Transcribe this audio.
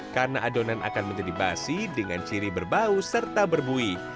karena adonan akan menjadi basi dengan ciri berbau serta berbuih